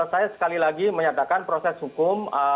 saya sekali lagi menyatakan proses hukum